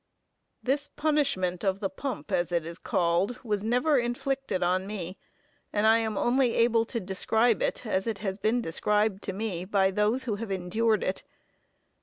This punishment of the pump, as it is called, was never inflicted on me; and I am only able to describe it, as it has been described to me, by those who have endured it.